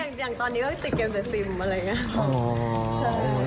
อย่างตอนนี้ก็ติดเก็บแต่ซิล